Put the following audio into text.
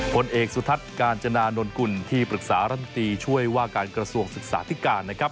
ผลเอกสุทัศน์กาญจนานนกุลที่ปรึกษารัฐมนตรีช่วยว่าการกระทรวงศึกษาธิการนะครับ